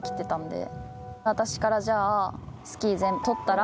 私からじゃあ。